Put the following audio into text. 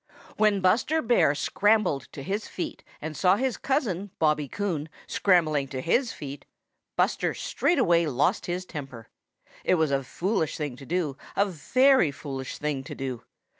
|WHEN Buster Bear scrambled to his feet and saw his cousin, Bobby Coon, scrambling to his feet, Buster straightway lost his temper. It was a foolish thing to do, a very foolish thing to do.